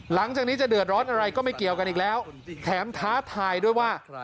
หลังจากนี้จะเดือดร้อนอะไรก็ไม่เกี่ยวกันอีกแล้วแถมท้าทายด้วยว่า